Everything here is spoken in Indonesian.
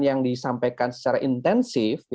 yang disampaikan secara intensif